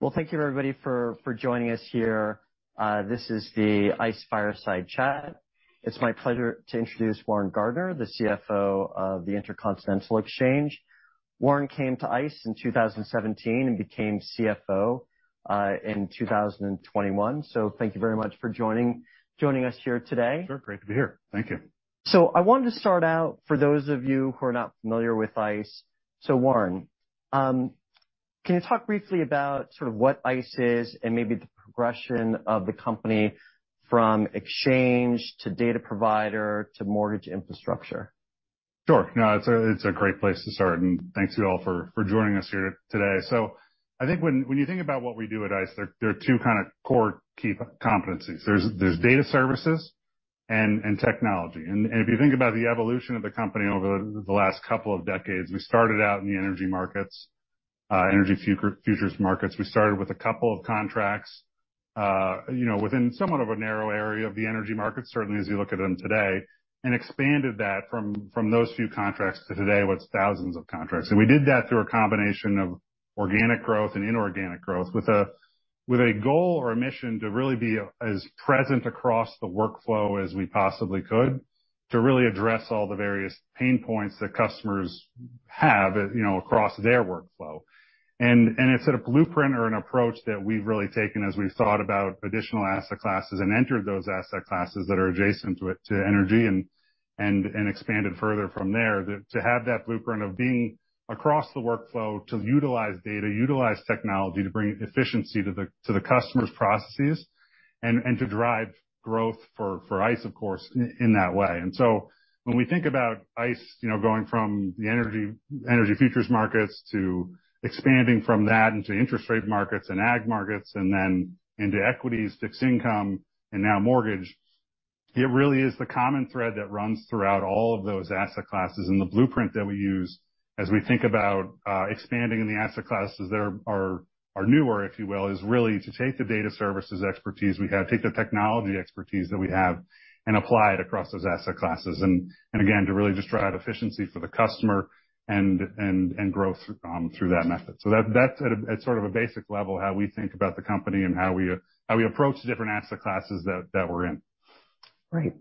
Well, thank you, everybody, for joining us here. This is the ICE Fireside Chat. It's my pleasure to introduce Warren Gardiner, the CFO of the Intercontinental Exchange. Warren came to ICE in 2017 and became CFO in 2021. So thank you very much for joining us here today. Sure, great to be here. Thank you. So I wanted to start out, for those of you who are not familiar with ICE. So Warren, can you talk briefly about sort of what ICE is and maybe the progression of the company from exchange to data provider to mortgage infrastructure? Sure. No, it's a great place to start, and thanks to you all for joining us here today. So I think when you think about what we do at ICE, there are two kind of core key competencies. Data Services and technology. And if you think about the evolution of the company over the last couple of decades, we started out in the energy markets, energy futures markets. We started with a couple of contracts, you know, within somewhat of a narrow area of the energy market, certainly as you look at them today, and expanded that from those few contracts to today, what's thousands of contracts. And we did that through a combination of organic growth and inorganic growth, with a, with a goal or a mission to really be as present across the workflow as we possibly could, to really address all the various pain points that customers have, you know, across their workflow. And, and it's a blueprint or an approach that we've really taken as we've thought about additional asset classes and entered those asset classes that are adjacent to it, to energy and, and, and expanded further from there. To have that blueprint of being across the workflow, to utilize data, utilize technology, to bring efficiency to the, to the customer's processes, and, and to drive growth for, for ICE, of course, in that way. And so when we think about ICE, you know, going from the energy futures markets to expanding from that into interest rate markets and ag markets, and then into equities, fixed income, and now mortgage, it really is the common thread that runs throughout all of those asset classes. The blueprint that we use as we think about expanding in the asset classes that are newer, if you will, is really to take Data Services expertise we have, take the technology expertise that we have and apply it across those asset classes. And again, to really just drive efficiency for the customer and growth through that method. So that's at sort of a basic level, how we think about the company and how we approach the different asset classes that we're in. Great.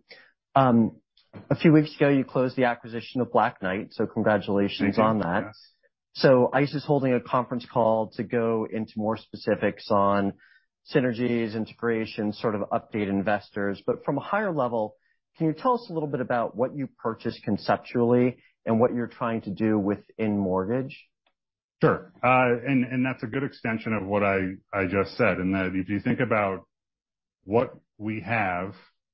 A few weeks ago, you closed the acquisition of Black Knight, so congratulations on that. Thank you. So ICE is holding a conference call to go into more specifics on synergies, integration, sort of update investors. But from a higher level, can you tell us a little bit about what you purchased conceptually and what you're trying to do within mortgage? Sure. And that's a good extension of what I just said, in that if you think about what we have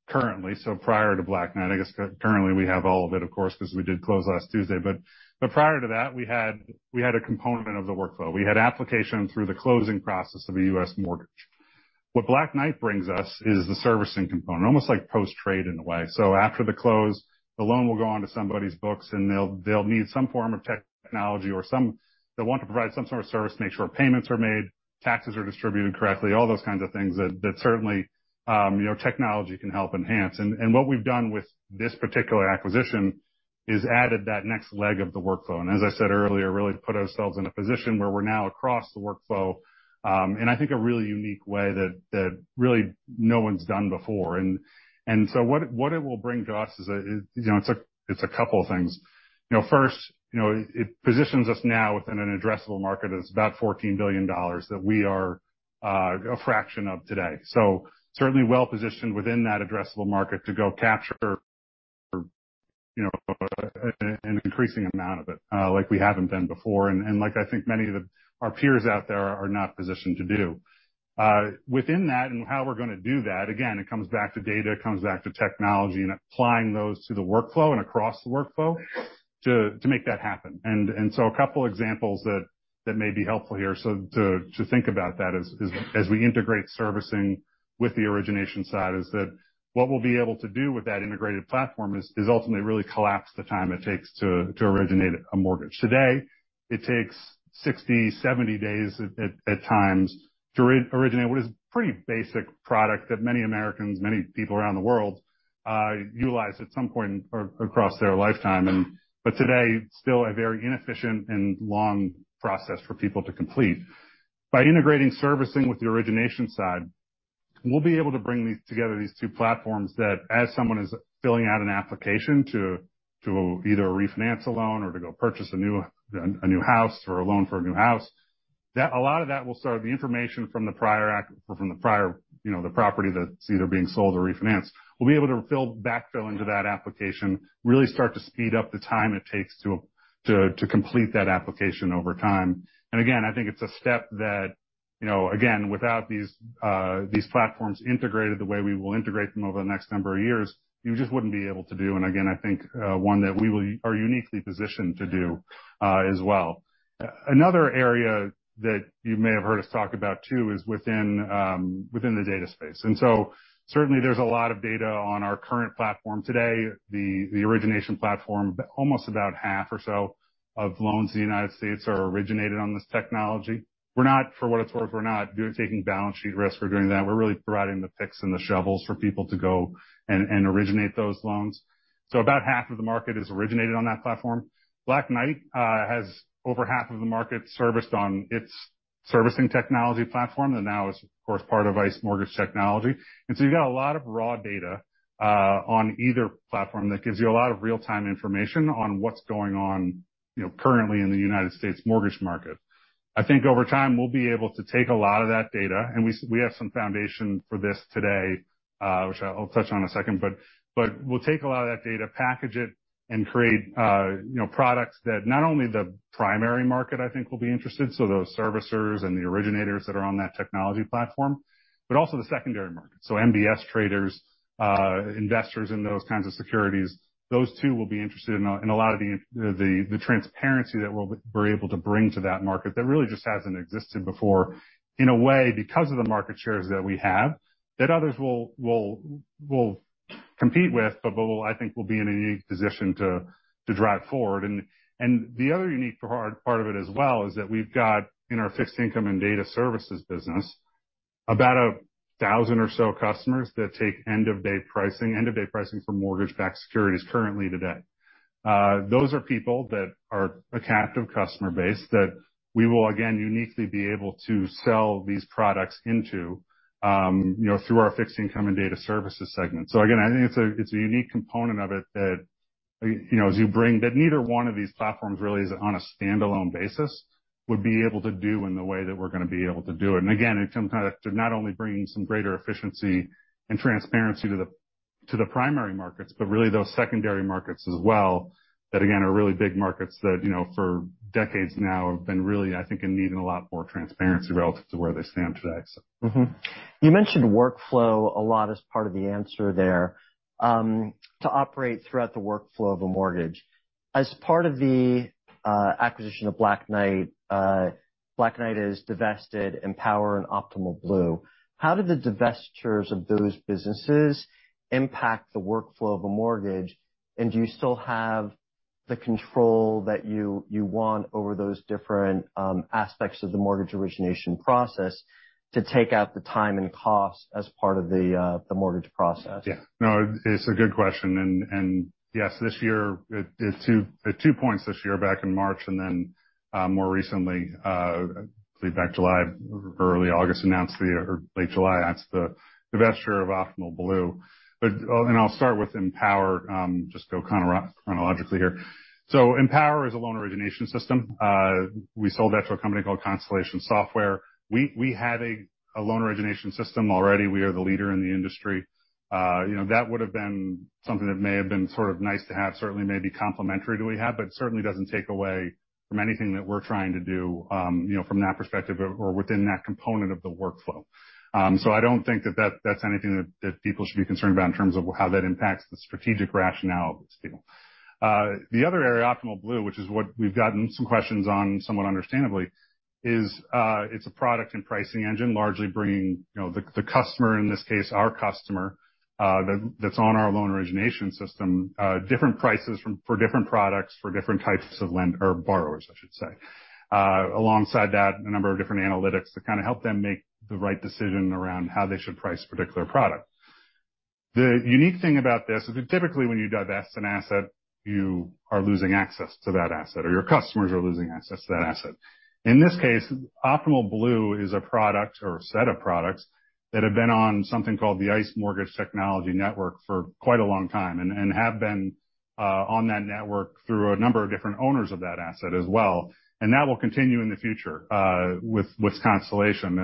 currently, so prior to Black Knight, I guess currently we have all of it, of course, because we did close last Tuesday. But prior to that, we had a component of the workflow. We had application through the closing process of a U.S. mortgage. What Black Knight brings us is the servicing component, almost like post-trade in a way. So after the close, the loan will go on to somebody's books, and they'll need some form of technology or some. They'll want to provide some sort of service, make sure payments are made, taxes are distributed correctly, all those kinds of things that certainly, you know, technology can help enhance. And what we've done with this particular acquisition is added that next leg of the workflow. And as I said earlier, really to put ourselves in a position where we're now across the workflow, in I think, a really unique way that really no one's done before. And so what it will bring to us is a, you know, it's a couple of things. You know, first, you know, it positions us now within an addressable market that's about $14 billion, that we are a fraction of today. So certainly well-positioned within that addressable market to go capture, you know, an increasing amount of it, like we haven't been before, and like I think many of our peers out there are not positioned to do. Within that and how we're going to do that, again, it comes back to data, it comes back to technology, and applying those to the workflow and across the workflow to make that happen. A couple of examples that may be helpful here, so to think about that as we integrate servicing with the origination side, is that what we'll be able to do with that integrated platform is ultimately really collapse the time it takes to originate a mortgage. Today, it takes 60-70 days at times to originate what is a pretty basic product that many Americans, many people around the world utilize at some point across their lifetime. But today, still a very inefficient and long process for people to complete. By integrating servicing with the origination side, we'll be able to bring these together, these two platforms, that as someone is filling out an application to either refinance a loan or to go purchase a new, a new house or a loan for a new house, that a lot of that will start the information from the prior, you know, the property that's either being sold or refinanced. We'll be able to backfill into that application, really start to speed up the time it takes to complete that application over time. I think it's a step that, you know, again, without these, you know, these platforms integrated the way we will integrate them over the next number of years, you just wouldn't be able to do. I think, one that we will... Are uniquely positioned to do, as well. Another area that you may have heard us talk about, too, is within, within the data space. Certainly there's a lot of data on our current platform today, the origination platform. Almost about half or so of loans in the United States are originated on this technology. We're not, for what it's worth, we're not taking balance sheet risk. We're really providing the picks and the shovels for people to go and originate those loans. About half of the market is originated on that platform. Black Knight has over half of the market serviced on its servicing technology platform, and now is, of course, part of ICE Mortgage Technology. And so you've got a lot of raw data on either platform that gives you a lot of real-time information on what's going on, you know, currently in the United States mortgage market. I think over time, we'll be able to take a lot of that data, and we have some foundation for this today, which I'll touch on in a second. But we'll take a lot of that data, package it, and create, you know, products that not only the primary market, I think, will be interested, so those servicers and the originators that are on that technology platform, but also the secondary market. So MBS traders, investors in those kinds of securities, those two will be interested in a lot of the transparency that we're able to bring to that market that really just hasn't existed before, in a way, because of the market shares that we have, that others will compete with, but I think will be in a unique position to drive forward. And the other unique part of it as well is that we've got in our Fixed Income Data Services business, about 1,000 or so customers that take end-of-day pricing for mortgage-backed securities currently today. Those are people that are a captive customer base that we will, again, uniquely be able to sell these products into, you know, through our Fixed Income Data Services segment. So again, I think it's a unique component of it that, you know, that neither one of these platforms really is on a standalone basis, would be able to do in the way that we're gonna be able to do it. And again, it's kind of to not only bring some greater efficiency and transparency to the primary markets, but really those secondary markets as well, that, again, are really big markets that, you know, for decades now have been really, I think, in need of a lot more transparency relative to where they stand today, so. Mm-hmm. You mentioned workflow a lot as part of the answer there, to operate throughout the workflow of a mortgage. As part of the acquisition of Black Knight, Black Knight has divested, Empower and Optimal Blue. How did the divestitures of those businesses impact the workflow of a mortgage? And do you still have the control that you want over those different aspects of the mortgage origination process to take out the time and cost as part of the mortgage process? Yeah. No, it's a good question. And yes, this year, the two points this year back in March, and then, more recently, I believe back July, early August, announced the or late July, announced the divestiture of Optimal Blue. But, and I'll start with Empower, just go chronologically here. So Empower is a loan origination system. We sold that to a company called Constellation Software. We had a loan origination system already. We are the leader in the industry. You know, that would have been something that may have been sort of nice to have, certainly maybe complementary to what we have, but certainly doesn't take away from anything that we're trying to do, you know, from that perspective or within that component of the workflow. So I don't think that's anything that people should be concerned about in terms of how that impacts the strategic rationale of this deal. The other area, Optimal Blue, which is what we've gotten some questions on, somewhat understandably, is. It's a product and pricing engine, largely bringing, you know, the customer, in this case, our customer that's on our loan origination system, different prices for different products, for different types of borrowers, I should say. Alongside that, a number of different analytics to kind of help them make the right decision around how they should price a particular product. The unique thing about this is that typically, when you divest an asset, you are losing access to that asset, or your customers are losing access to that asset. In this case, Optimal Blue is a product or a set of products that have been on something called the ICE Mortgage Technology Network for quite a long time and have been on that network through a number of different owners of that asset as well. And that will continue in the future with Constellation.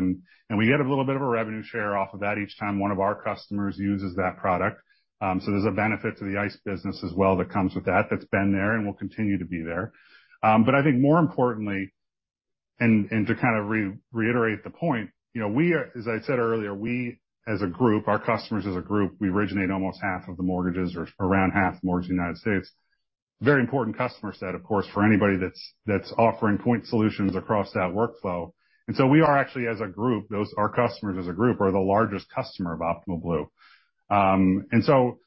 And we get a little bit of a revenue share off of that each time one of our customers uses that product. So there's a benefit to the ICE business as well that comes with that, that's been there and will continue to be there. But I think more importantly, and to kind of reiterate the point, you know, we are, as I said earlier, we, as a group, our customers as a group, we originate almost half of the mortgages or around half the mortgages in the United States. Very important customer set, of course, for anybody that's offering point solutions across that workflow. And so we are actually, as a group, those, our customers as a group, are the largest customer of Optimal Blue. And so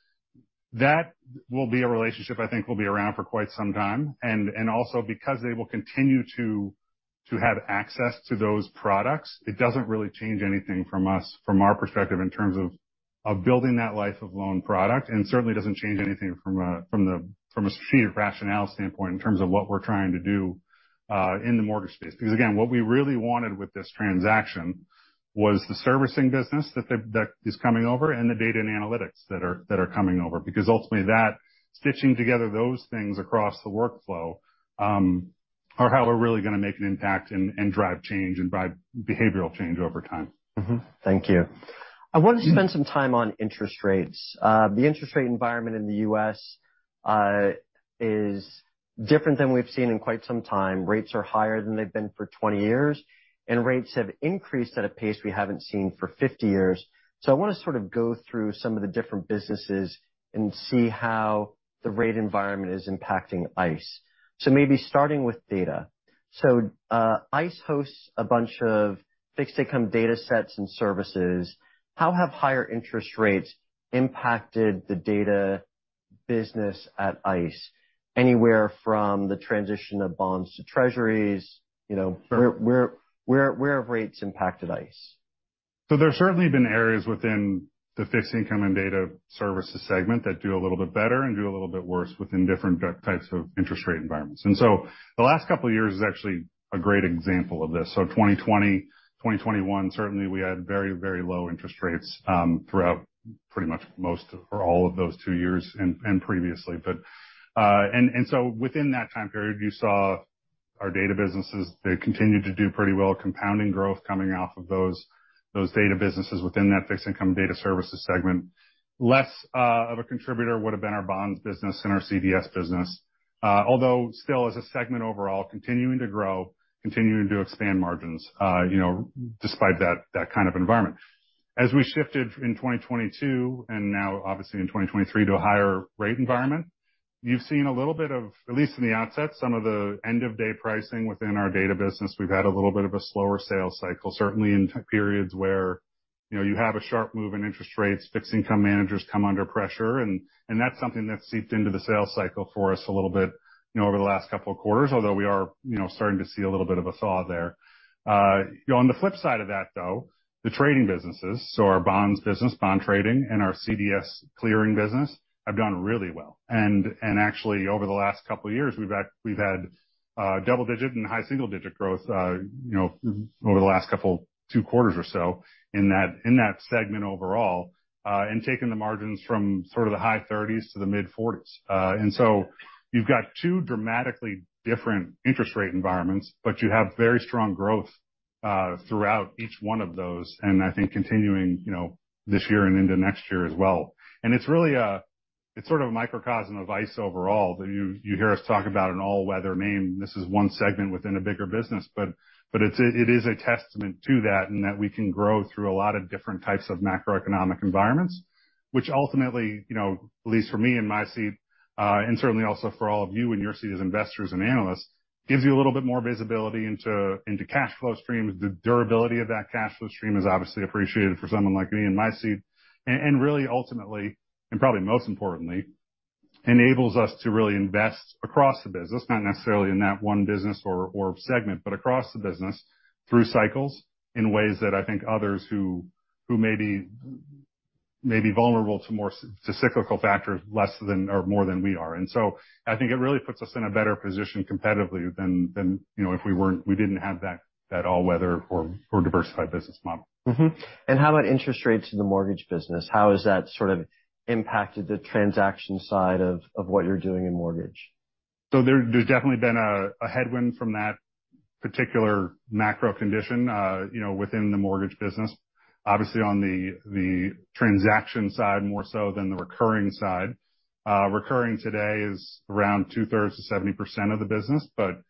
that will be a relationship I think will be around for quite some time. And also because they will continue to have access to those products, it doesn't really change anything from our perspective, in terms of building that life of loan product, and certainly doesn't change anything from a strategic rationale standpoint in terms of what we're trying to do in the mortgage space. Because, again, what we really wanted with this transaction was the servicing business that is coming over and the data and analytics that are coming over, because ultimately that, stitching together those things across the workflow, are how we're really gonna make an impact and drive change and drive behavioral change over time. Mm-hmm. Thank you. I want to spend some time on interest rates. The interest rate environment in the U.S. is different than we've seen in quite some time. Rates are higher than they've been for 20 years, and rates have increased at a pace we haven't seen for 50 years. So I want to sort of go through some of the different businesses and see how the rate environment is impacting ICE. So maybe starting with data. ICE hosts a bunch of fixed income data sets and services. How have higher interest rates impacted the data business at ICE? Anywhere from the transition of bonds to Treasuries, you know, where, where, where have rates impacted ICE? There's certainly been areas within the Fixed Income and Data Services segment that do a little bit better and do a little bit worse within different types of interest rate environments. The last couple of years is actually a great example of this. In 2020, 2021, we had very, very low interest rates throughout pretty much most or all of those two years and previously. Within that time period, you saw our data businesses, they continued to do pretty well, compounding growth coming off of those data businesses within that Fixed Income and Data Services segment. Less of a contributor would have been our bonds business and our CDS business, although still as a segment overall, continuing to grow, continuing to expand margins, you know, despite that kind of environment. As we shifted in 2022, and now obviously in 2023 to a higher rate environment, you've seen a little bit of, at least in the outset, some of the end-of-day pricing within our data business. We've had a little bit of a slower sales cycle, certainly in periods where, you know, you have a sharp move in interest rates, fixed income managers come under pressure, and, and that's something that's seeped into the sales cycle for us a little bit, you know, over the last couple of quarters, although we are, you know, starting to see a little bit of a thaw there. On the flip side of that, though, the trading businesses, so our bonds business, bond trading and our CDS clearing business, have done really well. Actually, over the last couple of years, we've had double-digit and high single-digit growth, you know, over the last couple two quarters or so in that, in that segment overall, and taken the margins from sort of the high 30s to the mid-40s. So you've got two dramatically different interest rate environments, but you have very strong growth throughout each one of those. I think continuing this year and into next year as well. It's really sort of a microcosm of ICE overall, that you, you hear us talk about an all-weather name. This is one segment within a bigger business, but it's a testament to that, and that we can grow through a lot of different types of macroeconomic environments, which ultimately, you know, at least for me in my seat, and certainly also for all of you in your seat as investors and analysts, gives you a little bit more visibility into cash flow streams. The durability of that cash flow stream is obviously appreciated for someone like me in my seat, and really, ultimately, and probably most importantly, enables us to really invest across the business, not necessarily in that one business or segment, but across the business through cycles in ways that I think others who may be vulnerable to more, to cyclical factors, less than or more than we are. So I think it really puts us in a better position competitively than, you know, if we didn't have that all-weather or diversified business model. Mm-hmm. And how about interest rates in the mortgage business? How has that sort of impacted the transaction side of, of what you're doing in mortgage? There's definitely been a headwind from that particular macro condition, you know, within the mortgage business. Obviously, on the transaction side, more so than the recurring side. Recurring today is around two-thirds to 70% of the business, but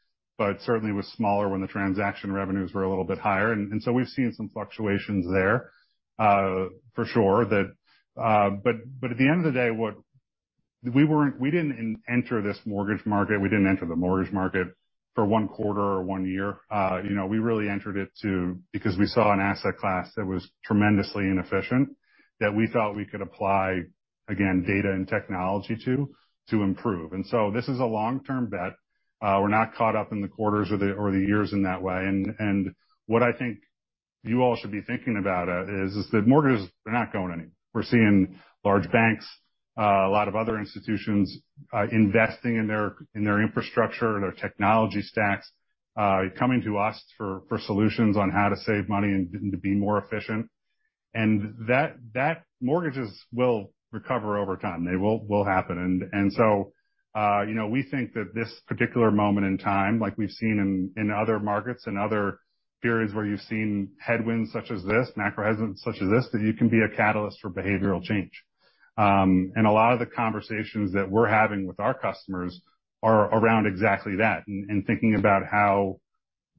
certainly was smaller when the transaction revenues were a little bit higher. So we've seen some fluctuations there, for sure. At the end of the day, we didn't enter this mortgage market for one quarter or one year. You know, we really entered it because we saw an asset class that was tremendously inefficient, that we thought we could apply, again, data and technology to improve. So this is a long-term bet. We're not caught up in the quarters or the years in that way. And what I think you all should be thinking about is that mortgages are not going anywhere. We're seeing large banks, a lot of other institutions, investing in their infrastructure, their technology stacks, coming to us for solutions on how to save money and to be more efficient. And that mortgages will recover over time. They will happen. And so, you know, we think that this particular moment in time, like we've seen in other markets and other periods where you've seen headwinds such as this, macro headwinds such as this, that you can be a catalyst for behavioral change. A lot of the conversations that we're having with our customers are around exactly that, and thinking about how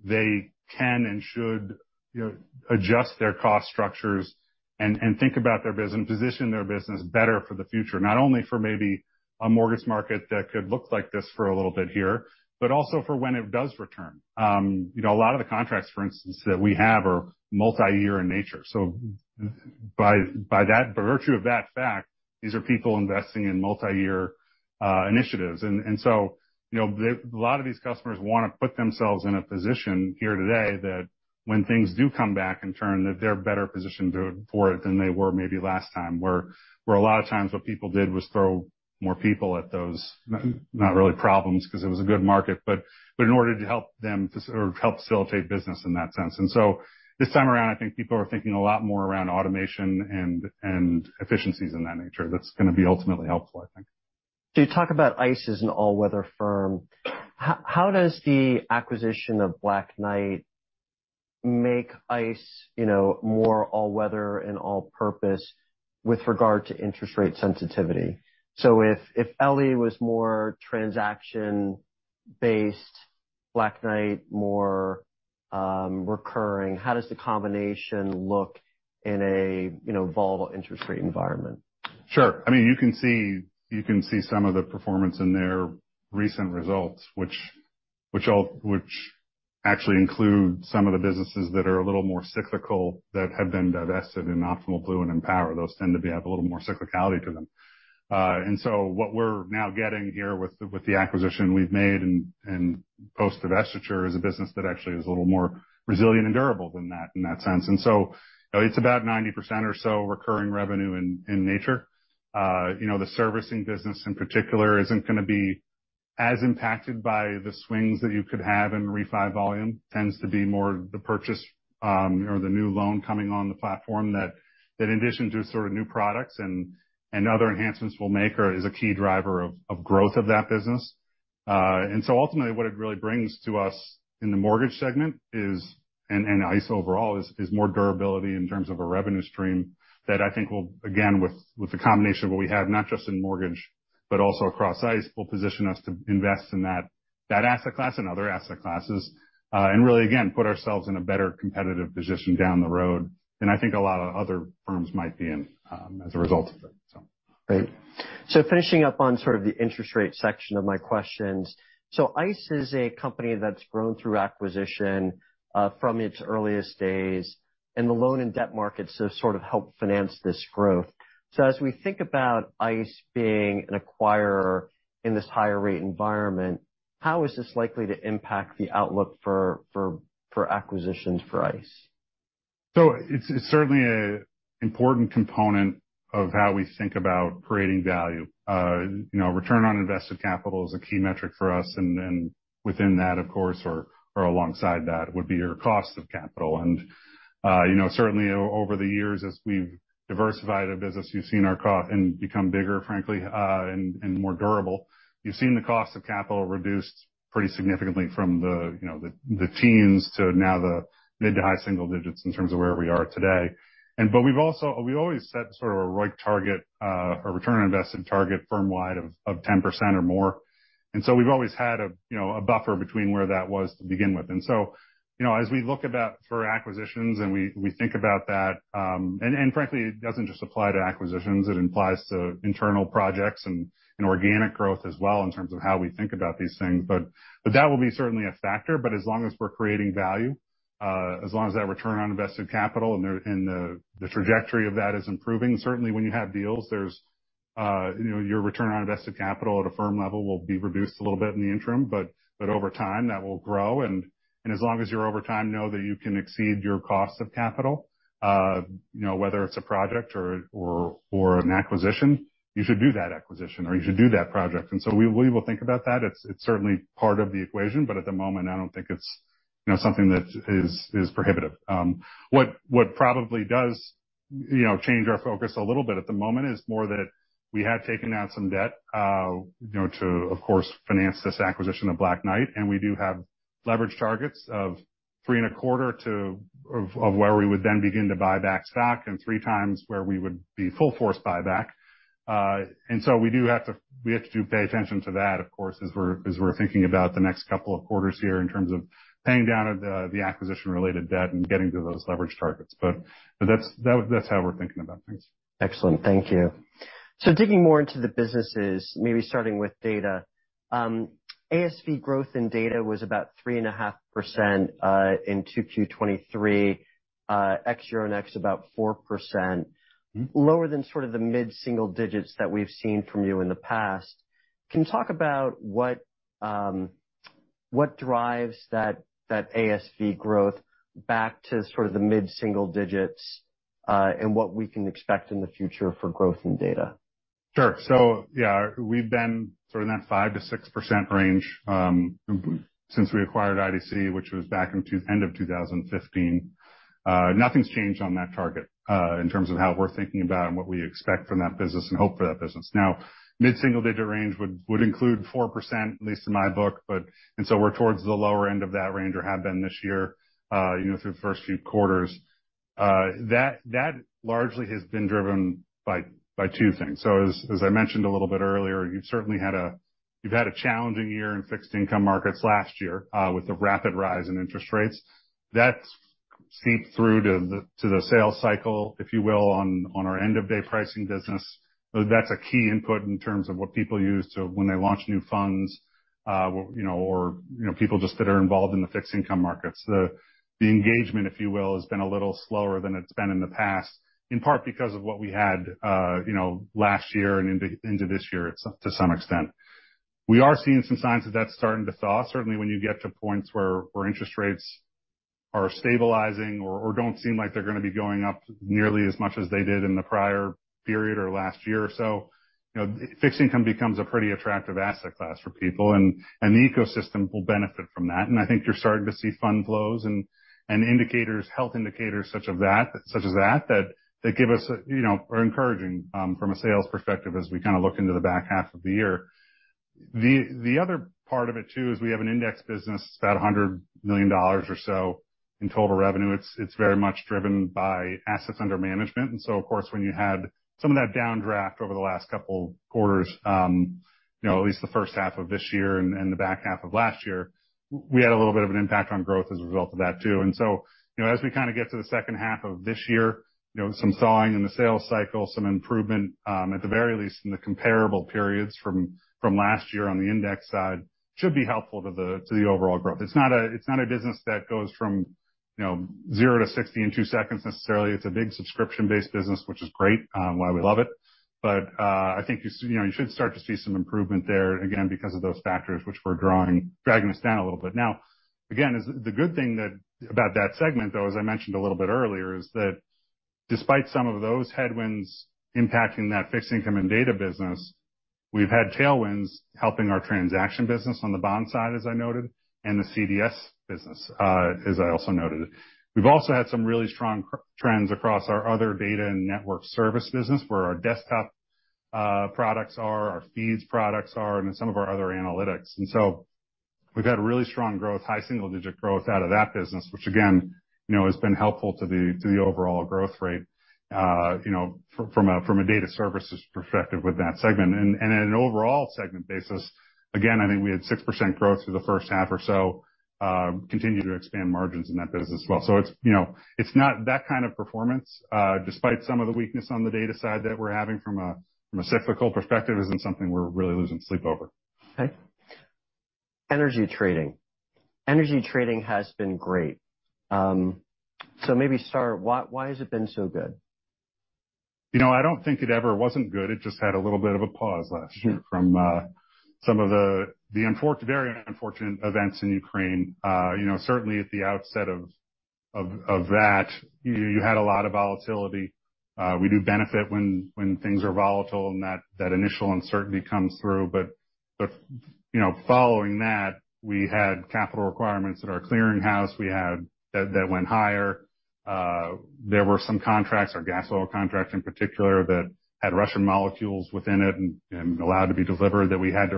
they can and should, you know, adjust their cost structures and think about their business, position their business better for the future, not only for maybe a mortgage market that could look like this for a little bit here, but also for when it does return. You know, a lot of the contracts, for instance, that we have are multi-year in nature. By that, by virtue of that fact, these are people investing in multi-year initiatives. You know, a lot of these customers want to put themselves in a position here today that when things do come back and turn, that they're better positioned for it than they were maybe last time, where a lot of times what people did was throw more people at those, not really problems, because it was a good market, but in order to help them or help facilitate business in that sense. So this time around, I think people are thinking a lot more around automation and efficiencies in that nature. That's going to be ultimately helpful, I think. So you talk about ICE as an all-weather firm. How does the acquisition of Black Knight make ICE, you know, more all-weather and all-purpose with regard to interest rate sensitivity? So if Ellie was more transaction-based, Black Knight more recurring, how does the combination look in a, you know, volatile interest rate environment? Sure. I mean, you can see, you can see some of the performance in their recent results, which actually include some of the businesses that are a little more cyclical, that have been divested in Optimal Blue and Empower. Those tend to have a little more cyclicality to them. And so what we're now getting here with the acquisition we've made and post divestiture is a business that actually is a little more resilient and durable than that, in that sense. And so it's about 90% or so recurring revenue in nature. You know, the servicing business in particular isn't gonna be as impacted by the swings that you could have in refi volume. Tends to be more the purchase, or the new loan coming on the platform that, that in addition to sort of new products and, and other enhancements we'll make, are, is a key driver of, of growth of that business. And so ultimately, what it really brings to us in the mortgage segment is, and, and ICE overall, is, is more durability in terms of a revenue stream that I think will, again, with, with the combination of what we have, not just in mortgage, but also across ICE, will position us to invest in that, that asset class and other asset classes. And really, again, put ourselves in a better competitive position down the road, than I think a lot of other firms might be in, as a result of it, so. Great. So finishing up on sort of the interest rate section of my questions. So ICE is a company that's grown through acquisition from its earliest days, and the loan and debt markets have sort of helped finance this growth. So as we think about ICE being an acquirer in this higher rate environment, how is this likely to impact the outlook for acquisitions for ICE? It's certainly an important component of how we think about creating value. You know, return on invested capital is a key metric for us, and within that, of course, or alongside that, would be your cost of capital. You know, certainly over the years, as we've diversified our business, you've seen our cost of capital—and become bigger, frankly, and more durable—you've seen the cost of capital reduced pretty significantly from the, you know, the teens to now the mid- to high-single digits in terms of where we are today. We've also always set sort of a ROIC target, or return on invested capital target, firm wide of 10% or more. So we've always had a, you know, a buffer between where that was to begin with. So, you know, as we look about for acquisitions and we think about that, and frankly, it doesn't just apply to acquisitions. It applies to internal projects and organic growth as well, in terms of how we think about these things. But that will be certainly a factor. But as long as we're creating value, as long as that return on invested capital and the trajectory of that is improving. Certainly, when you have deals, there's, you know, your return on invested capital at a firm level will be reduced a little bit in the interim, but over time, that will grow. As long as you're over time, know that you can exceed your cost of capital, you know, whether it's a project or an acquisition, you should do that acquisition, or you should do that project. So we will think about that. It's certainly part of the equation, but at the moment, I don't think it's, you know, something that is prohibitive. What probably does change our focus a little bit at the moment is more that we had taken out some debt, you know, to, of course, finance this acquisition of Black Knight, and we do have leverage targets of 3.25x where we would then begin to buy back stock, and 3x where we would be full force buyback. And so we have to pay attention to that, of course, as we're thinking about the next couple of quarters here in terms of paying down the acquisition-related debt and getting to those leverage targets. But that's how we're thinking about things. Excellent. Thank you. So digging more into the businesses, maybe starting with data. ASV growth in data was about 3.5%, in 2Q2023, ex-FX and ex about 4%. Lower than sort of the mid single digits that we've seen from you in the past. Can you talk about what, what drives that, that ASV growth back to sort of the mid single digits, and what we can expect in the future for growth in data? Sure. Yeah, we've been sort of in that 5%-6% range, since we acquired IDC, which was back in the end of 2015. Nothing's changed on that target, in terms of how we're thinking about and what we expect from that business and hope for that business. Now, mid-single-digit range would include 4%, at least in my book. And so we're towards the lower end of that range or have been this year, you know, through the first few quarters. That largely has been driven by two things. As I mentioned a little bit earlier, you've certainly had a—you've had a challenging year in fixed income markets last year, with the rapid rise in interest rates. That's seeped through to the sales cycle, if you will, on our end-of-day pricing business. So that's a key input in terms of what people use to when they launch new funds, you know, or people just that are involved in the fixed income markets. The engagement, if you will, has been a little slower than it's been in the past, in part because of what we had, you know, last year and into this year, to some extent. We are seeing some signs that that's starting to thaw. Certainly, when you get to points where interest rates are stabilizing or don't seem like they're gonna be going up nearly as much as they did in the prior period or last year or so, you know, fixed income becomes a pretty attractive asset class for people, and the ecosystem will benefit from that. And I think you're starting to see fund flows and indicators, health indicators such as that that give us a, you know, are encouraging from a sales perspective as we kind of look into the back half of the year. The other part of it, too, is we have an index business, it's about $100 million or so in total revenue. It's very much driven by assets under management. And so, of course, when you had some of that downdraft over the last couple quarters, you know, at least the first half of this year and the back half of last year, we had a little bit of an impact on growth as a result of that, too. And so, you know, as we kind of get to the second half of this year, you know, some thawing in the sales cycle, some improvement, at the very least, in the comparable periods from last year on the index side, should be helpful to the overall growth. It's not a, it's not a business that goes from zero to sixty in two seconds necessarily. It's a big subscription-based business, which is great, why we love it. But, I think you know, you should start to see some improvement there, again, because of those factors which we're dragging us down a little bit. Now, again, the good thing about that segment, though, as I mentioned a little bit earlier, is that despite some of those headwinds impacting that fixed income and data business, we've had tailwinds helping our transaction business on the bond side, as I noted, and the CDS business, as I also noted. We've also had some really strong trends across our other data and network service business, where our desktop products are, our feeds products are, and some of our other analytics. And so we've had really strong growth, high single-digit growth out of that business, which again, you know, has been helpful to the overall growth rate, you know, from a Data Services perspective with that segment. And at an overall segment basis, again, I think we had 6% growth through the first half or so, continue to expand margins in that business as well. So it's, you know, it's not that kind of performance, despite some of the weakness on the data side that we're having from a cyclical perspective, isn't something we're really losing sleep over. Okay. Energy trading. Energy trading has been great. So maybe start, why, why has it been so good? You know, I don't think it ever wasn't good. It just had a little bit of a pause last year from some of the very unfortunate events in Ukraine. You know, certainly at the outset of that, you had a lot of volatility. We do benefit when things are volatile, and that initial uncertainty comes through. You know, following that, we had capital requirements at our clearinghouse. We had that that went higher. There were some contracts, our Gasoil contracts in particular, that had Russian molecules within it and allowed to be delivered, that we had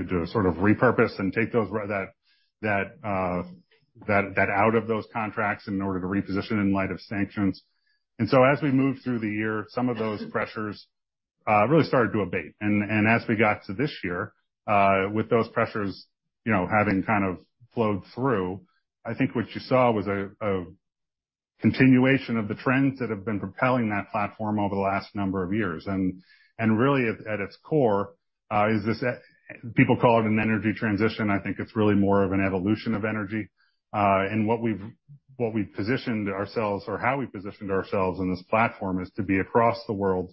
to sort of repurpose and take that out of those contracts in order to reposition in light of sanctions. And so as we moved through the year, some of those pressures really started to abate. As we got to this year, with those pressures, you know, having kind of flowed through, I think what you saw was a continuation of the trends that have been propelling that platform over the last number of years. Really, at its core, is this, people call it an energy transition. I think it's really more of an evolution of energy. And what we've positioned ourselves or how we positioned ourselves in this platform is to be across the world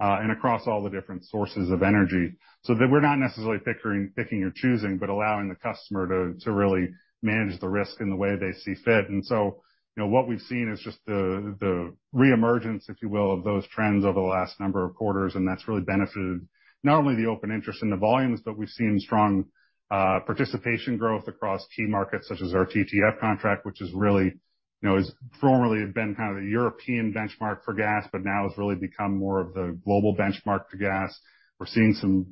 and across all the different sources of energy, so that we're not necessarily picking or choosing, but allowing the customer to really manage the risk in the way they see fit. And so, you know, what we've seen is just the reemergence, if you will, of those trends over the last number of quarters, and that's really benefited not only the open interest in the volumes, but we've seen strong participation growth across key markets, such as our TTF contract, which is really, you know, has formerly been kind of the European benchmark for gas, but now has really become more of the global benchmark for gas. We're seeing some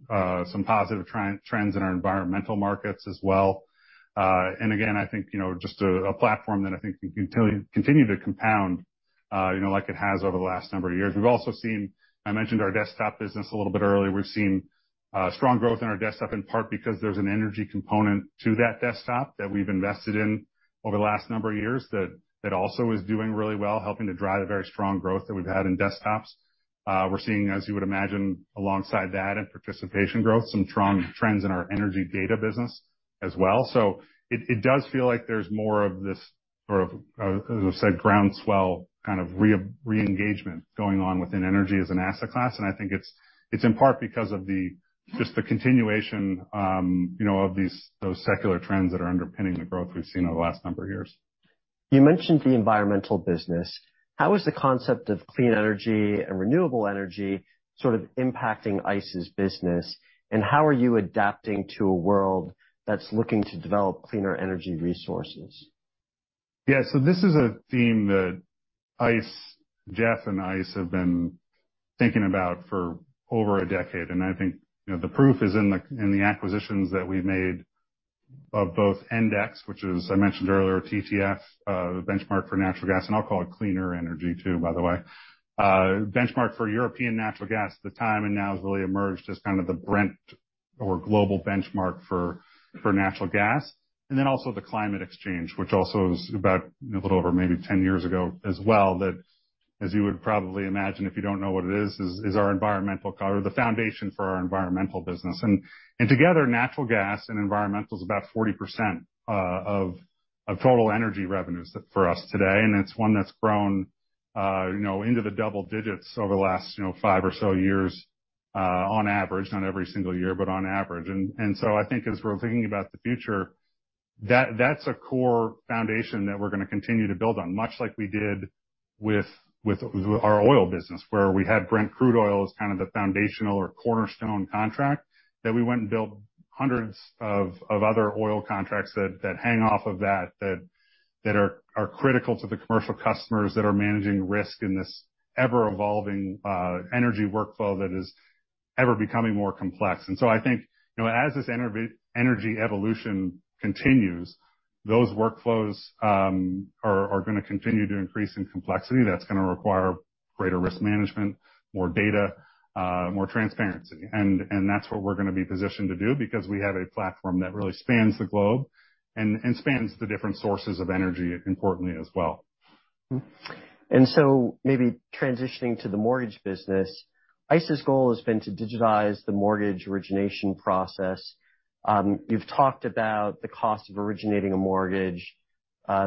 some positive trend, trends in our environmental markets as well. And again, I think, you know, just a platform that I think can continue to compound, you know, like it has over the last number of years. We've also seen, I mentioned our desktops business a little bit earlier. We've seen strong growth in our desktop, in part because there's an energy component to that desktop that we've invested in over the last number of years, that also is doing really well, helping to drive a very strong growth that we've had in desktops. We're seeing, as you would imagine, alongside that and participation growth, some strong trends in our energy data business as well. So it does feel like there's more of this, as I said, groundswell, kind of reengagement going on within energy as an asset class. And I think it's in part because of the just the continuation, you know, of these those secular trends that are underpinning the growth we've seen over the last number of years. You mentioned the environmental business. How is the concept of clean energy and renewable energy sort of impacting ICE's business? How are you adapting to a world that's looking to develop cleaner energy resources? Yeah, so this is a theme that ICE, Jeff and ICE have been thinking about for over a decade, and I think, you know, the proof is in the, in the acquisitions that we've made of both ICE Endex, which is, I mentioned earlier, TTF, benchmark for natural gas, and I'll call it cleaner energy, too, by the way. Benchmark for European natural gas at the time, and now has really emerged as kind of the Brent or global benchmark for, for natural gas. And then also the Climate Exchange, which also is about a little over maybe 10 years ago as well, that, as you would probably imagine, if you don't know what it is, is, is our environmental or the foundation for our environmental business. Together, natural gas and environmental is about 40% of total energy revenues for us today, and it's one that's grown, you know, into the double digits over the last, you know, 5 or so years, on average. Not every single year, but on average. So I think as we're thinking about the future, that's a core foundation that we're going to continue to build on, much like we did with our oil business, where we had Brent Crude as kind of the foundational or cornerstone contract, that we went and built hundreds of other oil contracts that hang off of that, that are critical to the commercial customers that are managing risk in this ever-evolving energy workflow that is ever becoming more complex. And so I think, you know, as this energy evolution continues, those workflows are gonna continue to increase in complexity. That's gonna require greater risk management, more data, more transparency. And that's what we're going to be positioned to do, because we have a platform that really spans the globe and spans the different sources of energy, importantly, as well.... Mm-hmm. And so maybe transitioning to the mortgage business, ICE's goal has been to digitize the mortgage origination process. You've talked about the cost of originating a mortgage,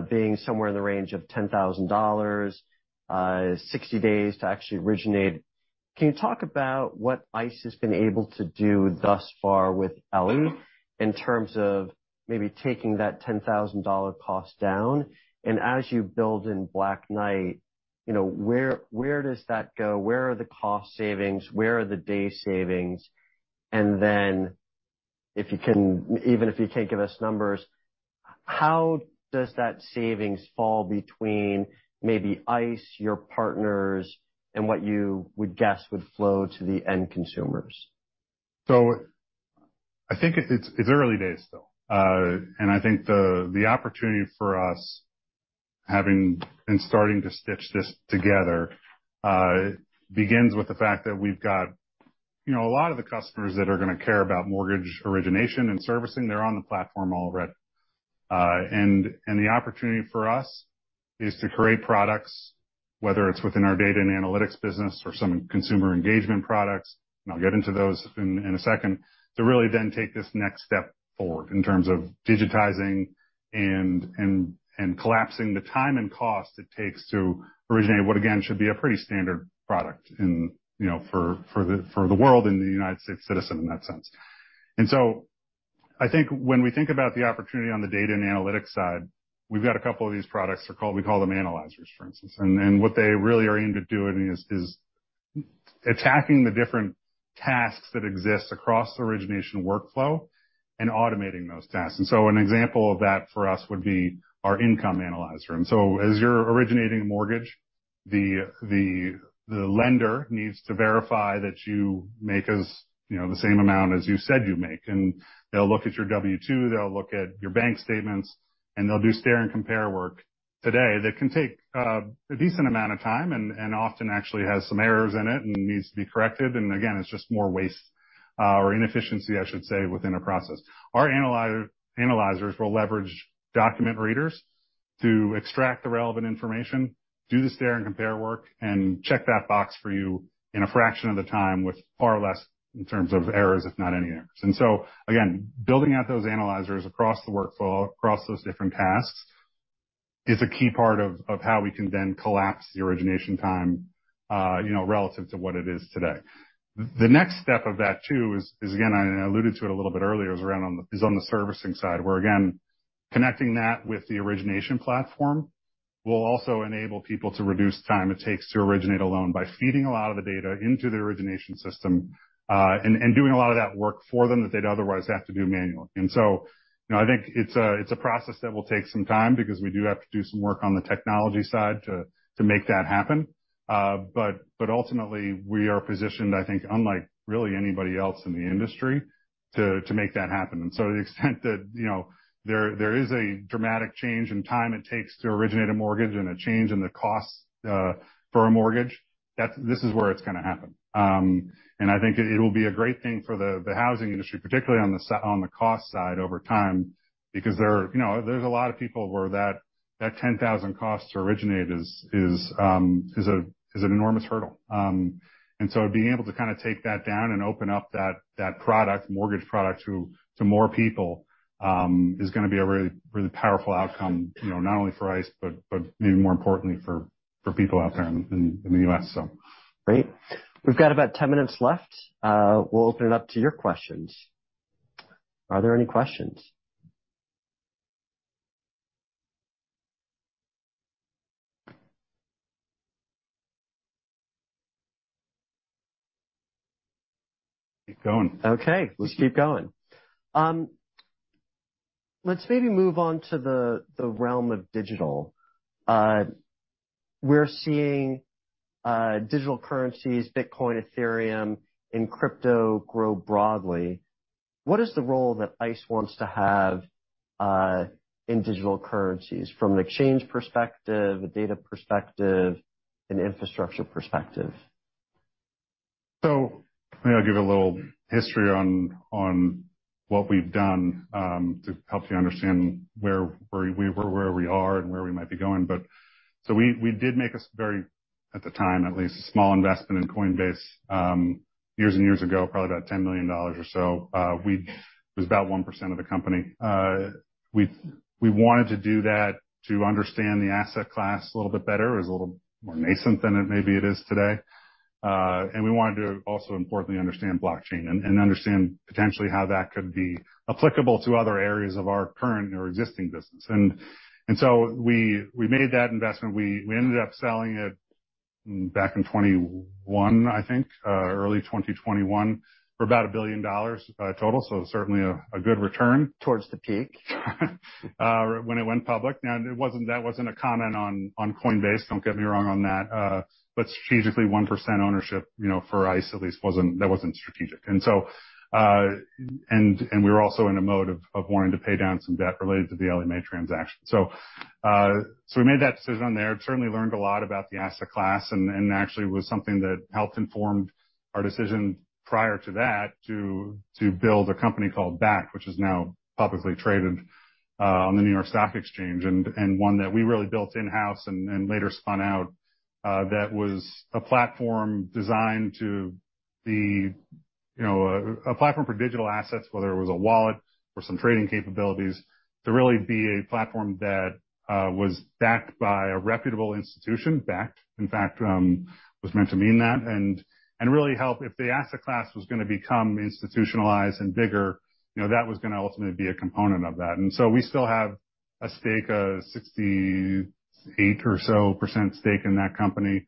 being somewhere in the range of $10,000, 60 days to actually originate. Can you talk about what ICE has been able to do thus far with Ellie in terms of maybe taking that $10,000 cost down? And as you build in Black Knight, you know, where, where does that go? Where are the cost savings? Where are the day savings? And then if you can, even if you can't give us numbers, how does that savings fall between maybe ICE, your partners, and what you would guess would flow to the end consumers? I think it's early days still. I think the opportunity for us, having and starting to stitch this together, begins with the fact that we've got, you know, a lot of the customers that are gonna care about mortgage origination and servicing, they're on the platform already. The opportunity for us is to create products, whether it's within our data and analytics business or some consumer engagement products, and I'll get into those in a second, to really then take this next step forward in terms of digitizing and collapsing the time and cost it takes to originate what, again, should be a pretty standard product in, you know, for the world and the United States citizen in that sense. And so I think when we think about the opportunity on the data and analytics side, we've got a couple of these products. They're called, we call them analyzers, for instance. And what they really are aimed at doing is attacking the different tasks that exist across the origination workflow and automating those tasks. And so an example of that for us would be our Income Analyzer. And so as you're originating a mortgage, the lender needs to verify that you make as, you know, the same amount as you said you make, and they'll look at your W-2, they'll look at your bank statements, and they'll do stare and compare work. Today, that can take a decent amount of time and often actually has some errors in it and needs to be corrected. Again, it's just more waste, or inefficiency, I should say, within a process. Our analyzers will leverage document readers to extract the relevant information, do the stare and compare work, and check that box for you in a fraction of the time with far less in terms of errors, if not any errors. So again, building out those analyzers across the workflow, across those different tasks is a key part of how we can then collapse the origination time, you know, relative to what it is today. The next step of that, too, is, again, I alluded to it a little bit earlier, is on the servicing side, where, again, connecting that with the origination platform will also enable people to reduce the time it takes to originate a loan by feeding a lot of the data into the origination system, and doing a lot of that work for them that they'd otherwise have to do manually. And so, you know, I think it's a process that will take some time because we do have to do some work on the technology side to make that happen. But ultimately, we are positioned, I think, unlike really anybody else in the industry, to make that happen. To the extent that, you know, there is a dramatic change in time it takes to originate a mortgage and a change in the cost for a mortgage, this is where it's gonna happen. I think it will be a great thing for the housing industry, particularly on the cost side over time, because there are... You know, there's a lot of people where that $10,000 cost to originate is an enormous hurdle. You know, being able to kind of take that down and open up that mortgage product to more people is gonna be a really, really powerful outcome, you know, not only for ICE, but maybe more importantly for people out there in the U.S., so. Great. We've got about 10 minutes left. We'll open it up to your questions. Are there any questions? Keep going. Okay, let's keep going. Let's maybe move on to the realm of digital. We're seeing digital currencies, Bitcoin, Ethereum, and crypto grow broadly. What is the role that ICE wants to have in digital currencies from an exchange perspective, a data perspective, an infrastructure perspective? So maybe I'll give a little history on what we've done to help you understand where we are and where we might be going. But so we did make a very, at the time, at least, a small investment in Coinbase years and years ago, probably about $10 million or so. It was about 1% of the company. We wanted to do that to understand the asset class a little bit better. It was a little more nascent than it maybe is today. And we wanted to also importantly understand Blockchain and understand potentially how that could be applicable to other areas of our current or existing business. And so we made that investment. We ended up selling it back in 2021, I think, early 2021, for about $1 billion total. So certainly a good return. Toward the peak. When it went public. Now, it wasn't, that wasn't a comment on Coinbase. Don't get me wrong on that. But strategically, 1% ownership, you know, for ICE at least, wasn't, that wasn't strategic. And so, we were also in a mode of wanting to pay down some debt related to the Ellie transaction. So, we made that decision there. Certainly learned a lot about the asset class, and actually was something that helped inform our decision prior to that, to build a company called Bakkt, which is now publicly traded on the New York Stock Exchange, and one that we really built in-house and later spun out. That was a platform designed to be, you know, a platform for digital assets, whether it was a wallet or some trading capabilities, to really be a platform that was backed by a reputable institution. In fact, was meant to mean that, and really help. If the asset class was going to become institutionalized and bigger, you know, that was going to ultimately be a component of that. And so we still have a stake of 68% or so stake in that company.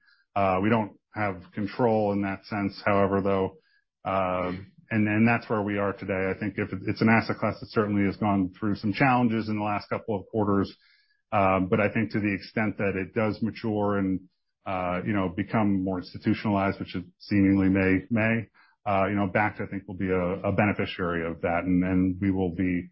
We don't have control in that sense, however, though, and that's where we are today. I think it's an asset class that certainly has gone through some challenges in the last couple of quarters, but I think to the extent that it does mature and, you know, become more institutionalized, which it seemingly may, Bakkt, I think, will be a beneficiary of that, and then we will be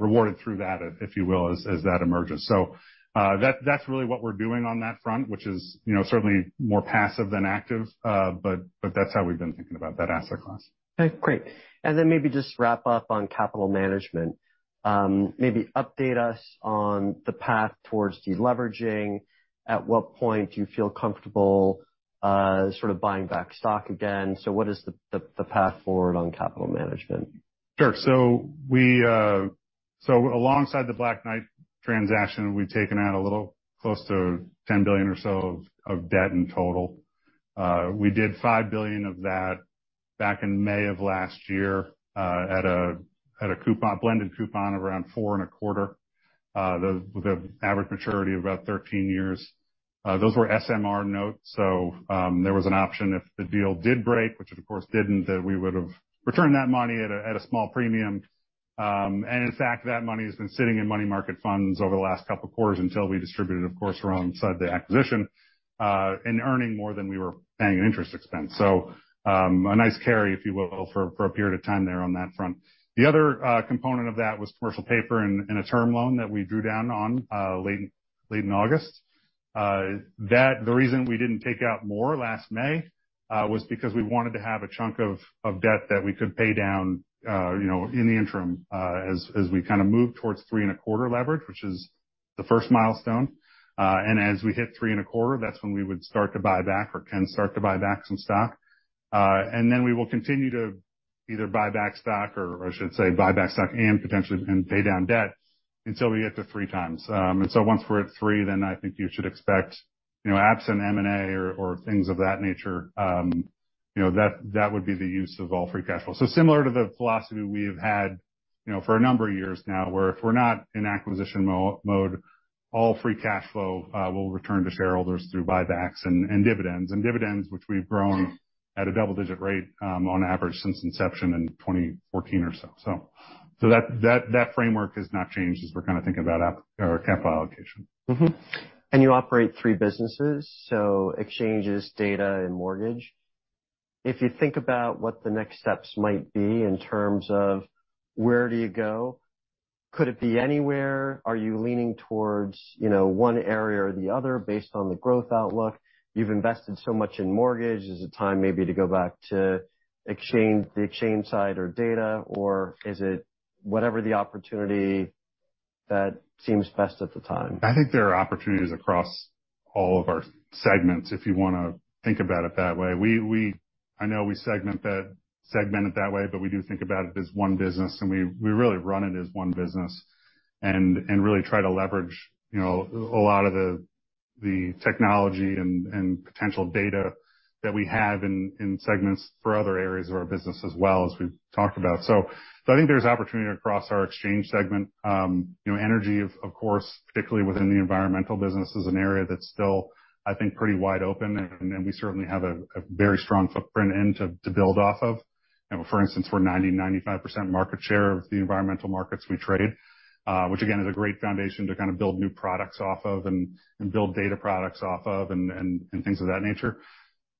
rewarded through that, if you will, as that emerges. So, that's really what we're doing on that front, which is, you know, certainly more passive than active, but that's how we've been thinking about that asset class. Okay, great. And then maybe just wrap up on capital management. Maybe update us on the path towards deleveraging. At what point do you feel comfortable, sort of buying back stock again? So what is the path forward on capital management? Sure. So we, So alongside the Black Knight transaction, we've taken out a little close to $10 billion or so of debt in total. We did $5 billion of that back in May of last year, at a blended coupon of around 4.25%, with an average maturity of about 13 years. Those were SMR notes, so, there was an option if the deal did break, which it, of course, didn't, that we would've returned that money at a small premium. And in fact, that money has been sitting in money market funds over the last couple of quarters until we distributed, of course, alongside the acquisition, and earning more than we were paying in interest expense. A nice carry, if you will, for a period of time there on that front. The other component of that was commercial paper and a term loan that we drew down on late, late in August. The reason we didn't take out more last May was because we wanted to have a chunk of debt that we could pay down, you know, in the interim, as we kind of moved towards 3.25x leverage, which is the first milestone. As we hit 3.25x, that's when we would start to buy back or can start to buy back some stock. We will continue to either buy back stock, or I should say, buy back stock and potentially pay down debt until we get to 3x. And so once we're at three, then I think you should expect, you know, absent M&A or, or things of that nature, you know, that, that would be the use of all free cash flow. So similar to the philosophy we've had, you know, for a number of years now, where if we're not in acquisition mode, all free cash flow will return to shareholders through buybacks and, and dividends. And dividends, which we've grown at a double-digit rate, on average, since inception in 2014 or so. So, so that, that framework has not changed as we're kind of thinking about our capital allocation. Mm-hmm. You operate three businesses, so exchanges, data, and mortgage. If you think about what the next steps might be in terms of where do you go, could it be anywhere? Are you leaning towards, you know, one area or the other based on the growth outlook? You've invested so much in mortgage. Is it time maybe to go back to exchange, the exchange side or data, or is it whatever the opportunity that seems best at the time? I think there are opportunities across all of our segments, if you want to think about it that way. I know we segment it that way, but we do think about it as one business, and we really run it as one business, and really try to leverage, you know, a lot of the technology and potential data that we have in segments for other areas of our business as well, as we've talked about. So I think there's opportunity across our Exchange segment. You know, Energy, of course, particularly within the environmental business, is an area that's still, I think, pretty wide open, and we certainly have a very strong footprint into to build off of. You know, for instance, we're 90%-95% market share of the environmental markets we trade, which again, is a great foundation to kind of build new products off of and build data products off of and things of that nature.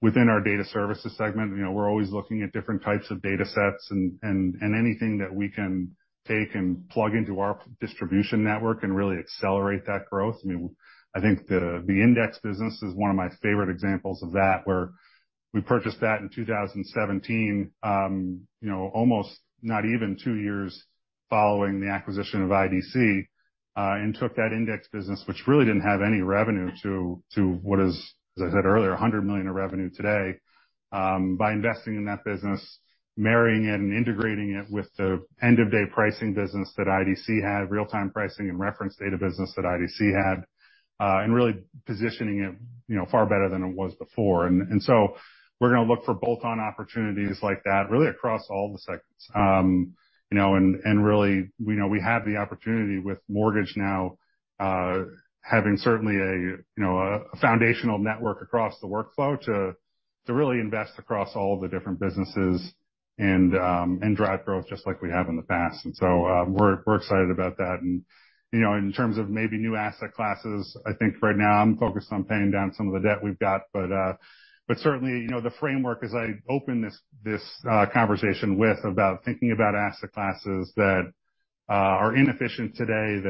Within our Data Services segment, you know, we're always looking at different types of data sets and anything that we can take and plug into our distribution network and really accelerate that growth. I mean, I think the index business is one of my favorite examples of that, where we purchased that in 2017, almost not even two years following the acquisition of IDC, and took that index business, which really didn't have any revenue, to what is, as I said earlier, $100 million of revenue today. By investing in that business, marrying it, and integrating it with the end-of-day pricing business that IDC had, real-time pricing and reference data business that IDC had, and really positioning it, you know, far better than it was before. And so we're going to look for bolt-on opportunities like that, really across all the segments. You know, and really, we know we have the opportunity with mortgage now, having certainly a, you know, a foundational network across the workflow to really invest across all the different businesses and drive growth just like we have in the past. And so, we're excited about that. And, you know, in terms of maybe new asset classes, I think right now I'm focused on paying down some of the debt we've got. But certainly, you know, the framework, as I opened this conversation with, about thinking about asset classes that are inefficient today,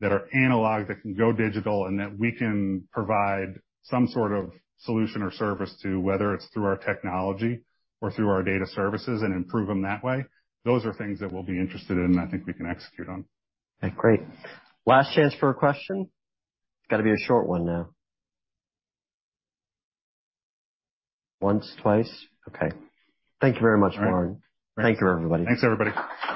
that are analog, that can go digital, and that we can provide some sort of solution or service to, whether it's through our technology or through our Data Services and improve them that way, those are things that we'll be interested in, and I think we can execute on. Okay, great. Last chance for a question. It's got to be a short one now. Once, twice. Okay. Thank you very much, Warren. All right. Thank you, everybody. Thanks, everybody.